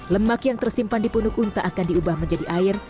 lemak yang tersimpan di punuk unta akan diubah menjadi air